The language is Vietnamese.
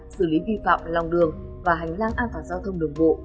xử lý vi phạm lòng đường và hành lang an toàn giao thông đường bộ